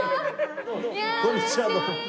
こんにちはどうも。